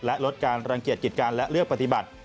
และลดการรังเกียจกิจการและเลือกปฏิบัติ